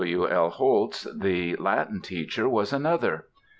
W. L. Holtz, the Latin teacher, was another.